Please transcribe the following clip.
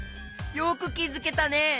よくきづけたね！